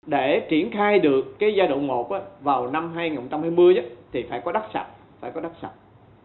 để triển khai được cái giai đoạn một vào năm hai nghìn hai mươi thì phải có đắc sạch phải có đắc sạch